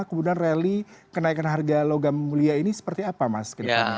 kemudian rally kenaikan harga logam mulia ini seperti apa mas ke depan